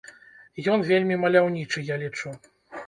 Ён вельмі маляўнічы, я лічу.